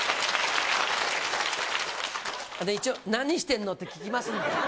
一応、何してんの？と聞きますんで。